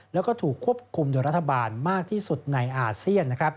แล้วก็ถูกควบคุมโดยรัฐบาลมากที่สุดในอาเซียน